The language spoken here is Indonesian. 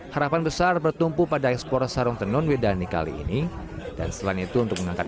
harapan besar bertumpu pada ekspor sarung tenun widani kali ini dan selain itu untuk mengangkat